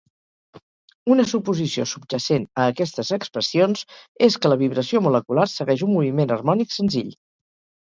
Una suposició subjacent a aquestes expressions és que la vibració molecular segueix un moviment harmònic senzill.